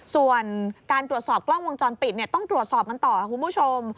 ส่วนการตรวจสอบกล้องวงจรปิดต้องตรวจสอบกันต่อค่ะคุณผู้ชม